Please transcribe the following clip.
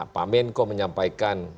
pak menko menyampaikan